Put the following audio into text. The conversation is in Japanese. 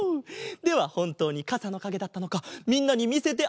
ではほんとうにかさのかげだったのかみんなにみせてあげよう。